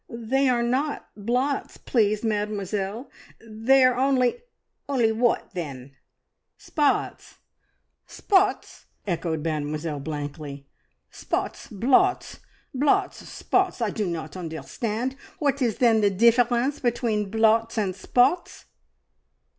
"They are not blots, please, Mademoiselle; they are only " "Only what then?" "Spots!" "Spots!" echoed Mademoiselle blankly. "Spots blots! Blots spots! I do not understand. What is then the difference between blots and spots?"